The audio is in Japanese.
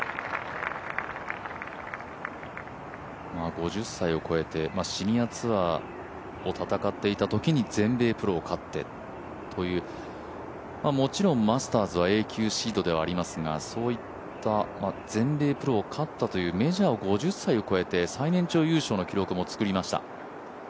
５０歳を超えてシニアツアーを戦っていたときに全米プロを勝ってという、もちろん、マスターズは永久シードではありますが、全米プロを勝ったというメジャー５０歳を超えて最年長優勝の記録も作りました。